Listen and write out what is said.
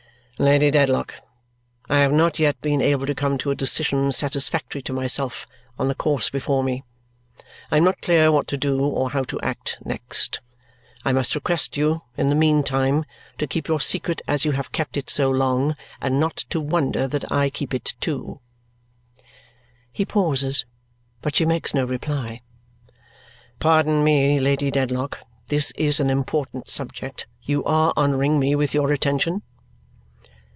"Lady Dedlock, I have not yet been able to come to a decision satisfactory to myself on the course before me. I am not clear what to do or how to act next. I must request you, in the meantime, to keep your secret as you have kept it so long and not to wonder that I keep it too." He pauses, but she makes no reply. "Pardon me, Lady Dedlock. This is an important subject. You are honouring me with your attention?"